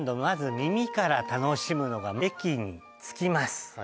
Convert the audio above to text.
まず耳から楽しむのが駅に着きます